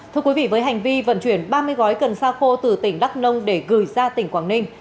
thưa quý vị với hành vi vận chuyển ba mươi gói cần sa khô từ tỉnh đắk nông để gửi ra tỉnh quảng ninh